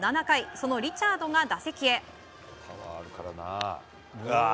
そのリチャードが打席へ。